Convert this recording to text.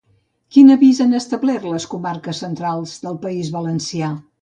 Quin avís han establert a les comarques centrals del País Valencià?